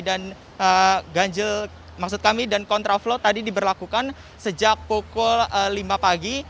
dan ganjil maksud kami dan kontra flow tadi diberlakukan sejak pukul lima pagi